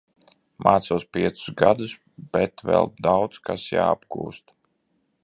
Mācos piecus gadus, bet vēl daudz kas jāapgūst.